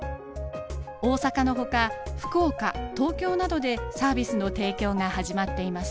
大阪のほか福岡東京などでサービスの提供が始まっています。